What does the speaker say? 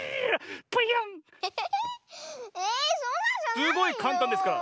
すごいかんたんですから。